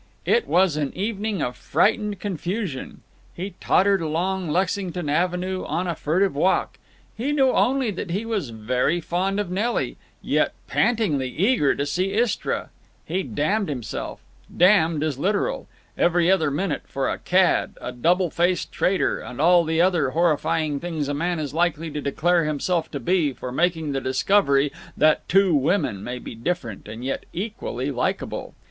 It was an evening of frightened confusion. He tottered along Lexington Avenue on a furtive walk. He knew only that he was very fond of Nelly, yet pantingly eager to see Istra. He damned himself—"damned" is literal—every other minute for a cad, a double faced traitor, and all the other horrifying things a man is likely to declare himself to be for making the discovery that two women may be different and yet equally likable.